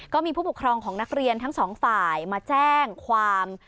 ก็มีผู้ปกครองของนักเรียนทั้งสองฝ่ายมาแจ้งความ